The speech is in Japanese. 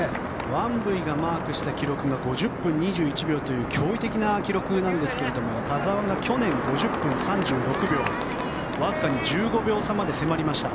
ワンブィがマークした記録が５０分２１秒という驚異的な記録なんですが田澤が去年、５０分３６秒わずかに１５秒差まで迫りました。